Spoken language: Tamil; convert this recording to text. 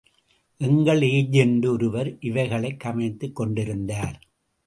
எங்கள் ஏஜெண்டு ஒருவர் இவைகளைக் கவனித்துத் கொண்டிருந்தார்.